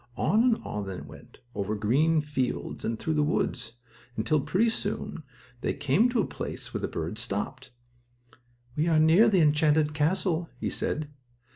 On and on they went, over green fields, and through the woods, until, pretty soon, they came to a place where the bird stopped. "We are near the enchanted castle," he said.